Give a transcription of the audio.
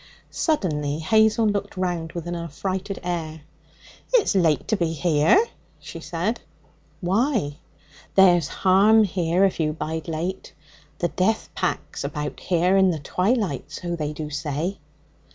Suddenly Hazel looked round with an affrighted air. 'It's late to be here,' she said. 'Why?' 'There's harm here if you bide late. The jeath pack's about here in the twilight, so they do say.'